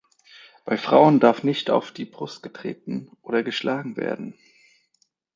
Bei Frauen darf nicht auf die Brust getreten oder geschlagen werden.